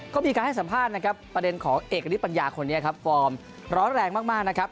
ก็มีการให้สัมภาษณ์นะครับประเด็นของเอกฤทธปัญญาคนนี้ครับฟอร์มร้อนแรงมากนะครับ